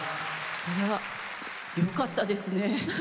いやよかったですね。